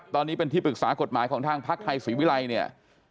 ตอนนี้เป็นที่ปรึกษากฎหมายของทางพักไทยศรีวิรัยเนี่ย